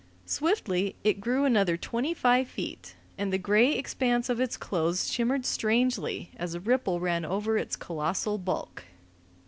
Swiftly it grew another twenty five feet, and the gray expanse of its clothes shimmered strangely as a ripple ran over its colossal bulk.